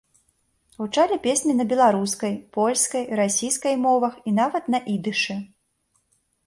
Гучалі песні на беларускай, польскай, расійскай мовах і нават на ідышы.